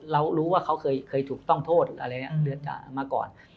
เรารู้ว่าเขาเคยถูกต้องโทษอะไรนี้มาก่อน